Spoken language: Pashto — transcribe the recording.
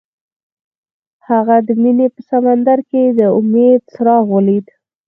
هغه د مینه په سمندر کې د امید څراغ ولید.